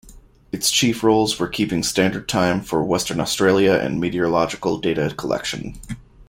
Its chief roles were keeping Standard Time for Western Australia and meteorological data collection.